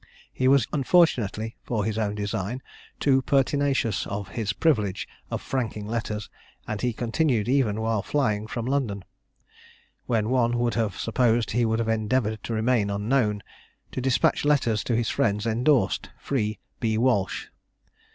He was unfortunately for his own design too pertinacious of his privilege of franking letters, and he continued even while flying from London, when one would have supposed he would have endeavoured to remain unknown, to despatch letters to his friends indorsed "Free, B. Walsh."